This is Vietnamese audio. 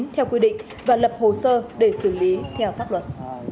theo quy định và lập hồ sơ để xử lý theo pháp luật